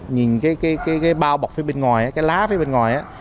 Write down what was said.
nhìn cái bao bọc phía bên ngoài cái lá phía bên ngoài á